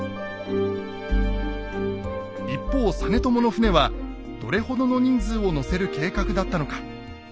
一方実朝の船はどれほどの人数を乗せる計画だったのか。